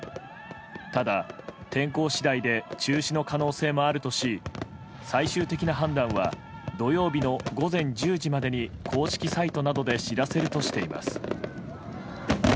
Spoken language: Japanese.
ただ、天候次第で中止の可能性もあるとし最終的な判断は土曜日の午前１０時までに公式サイトなどで知らせるとしています。